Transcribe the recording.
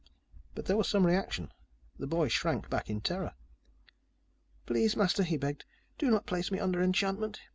But there was some reaction. The boy shrank back in terror. "Please, Master," he begged. "Do not place me under enchantment."